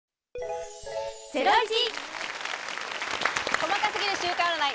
細か過ぎる週間占い！